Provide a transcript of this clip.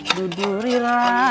aduh duri ra